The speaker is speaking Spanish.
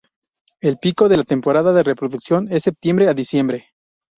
El pico de la temporada de reproducción es de septiembre a diciembre.